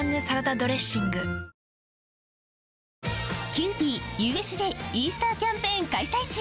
キユーピーＵＳＪイースターキャンペーン開催中！